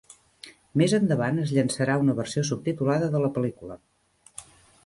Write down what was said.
Més endavant es llançarà una versió subtitulada de la pel·lícula.